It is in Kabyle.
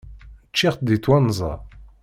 Ččiɣ-tt deg twenza.